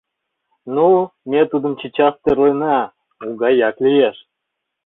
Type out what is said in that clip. Ну, ме тудым чечас тӧрлена, у гаяк лиеш...